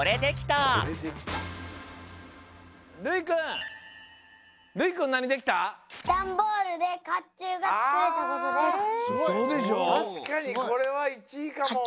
たしかにこれは１位かも。